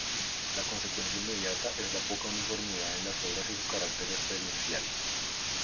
La consecuencia inmediata es la poca uniformidad en las obras y su carácter experiencial.